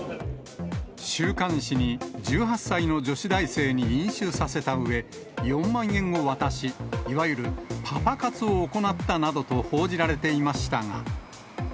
週刊誌に１８歳の女子大生に飲酒させたうえ、４万円を渡し、いわゆるパパ活を行ったなどと報じられていましたが。